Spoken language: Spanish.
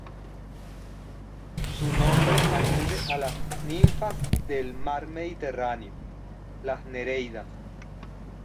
Su nombre alude a las ninfas del Mar Mediterráneo, las nereidas.